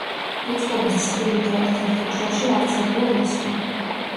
რიცხვების ცხრილი და ერთ-ერთ უჯრაში არ წერია რიცხვი.